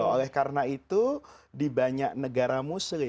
oleh karena itu di banyak negara muslim